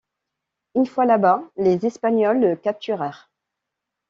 Une fois là-bas, les Espagnols le capturèrent.